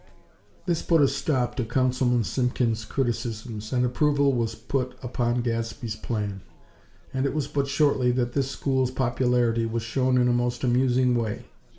This put a stop to Councilman Simpkins' criticisms, and approval was put upon Gadsby's plan; and it was but shortly that this school's popularity was shown in a most amusing way.